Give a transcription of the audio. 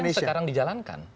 ini yang sekarang dijalankan